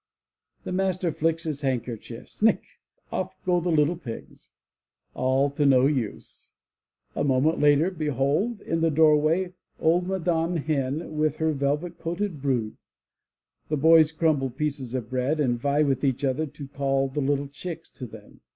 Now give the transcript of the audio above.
The master flicks his handkerchief — snick ! Off go the little pigs ! All to no use ! A 96 THE LATCH KEY moment later, behold, in the doorway, old Madame Hen with her velvet coated brood! The boys crumble pieces of bread and vie with each other to call the little chicks to them.